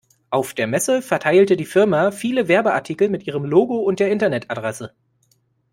Auf der Messe verteilte die Firma viele Werbeartikel mit ihrem Logo und der Internetadresse.